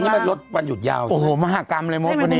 วันนี้มันรถมันหยุดยาวโอ้โหมากกำเลย